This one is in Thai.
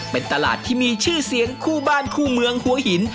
เป็นตลาดที่มีชื่อเสียงคู่บ้านคู่เมืองหัวหิน